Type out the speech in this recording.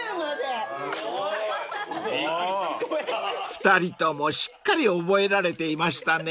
［２人ともしっかり覚えられていましたね］